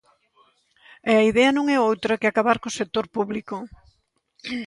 E a idea non é outra que acabar co sector público.